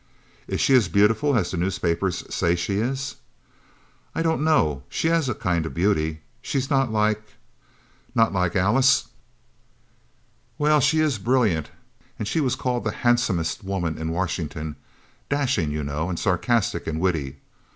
"Is she as beautiful as the newspapers say she is?" "I don't know, she has a kind of beauty she is not like ' "Not like Alice?" "Well, she is brilliant; she was called the handsomest woman in Washington dashing, you know, and sarcastic and witty.